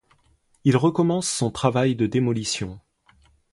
Il recommence son travail de démolition.